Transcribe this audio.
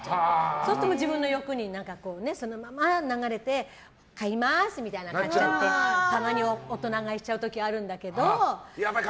そうすると自分の欲にそのまま流れて買いますみたいに買っちゃってたまに大人買いしちゃう時あるんだけど。